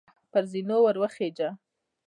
پر زینو وروخیژه !